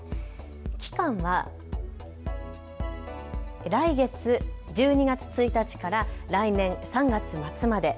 期間は、来月１２月１日から来年３月末まで。